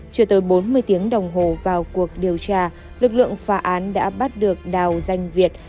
chưa tới bốn mươi tiếng đồng hồ vào cuộc điều tra lực lượng phá án đã bắt được đào danh việt